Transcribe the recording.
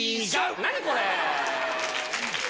何これ？